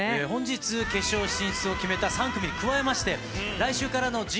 本日決勝進出を決めた３組に加えまして、来週からのＺＩＰ！